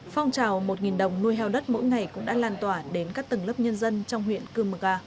phong trào một đồng nuôi heo đất mỗi ngày cũng đã lan tỏa đến các tầng lớp nhân dân trong huyện cương mực a